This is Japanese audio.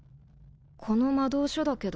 この魔導書だけど多分。